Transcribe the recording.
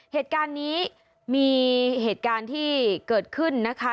เหตุการณ์นี้มีเหตุการณ์ที่เกิดขึ้นนะคะ